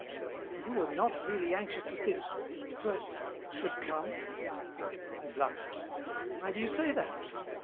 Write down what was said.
"And you were not really anxious that this first should come?" He blushed. "Why do you say that?"